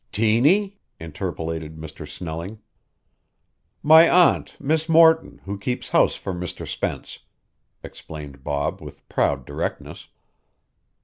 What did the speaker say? "Tiny?" interpolated Mr. Snelling. "My aunt, Miss Morton, who keeps house for Mr. Spence," explained Bob with proud directness.